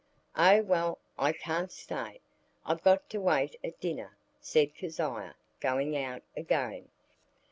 "Oh, well, I can't stay. I've got to wait at dinner," said Kezia, going out again.